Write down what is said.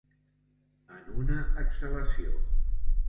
En una exhalació.